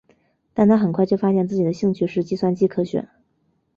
但他很快就发现自己的兴趣是计算机科学。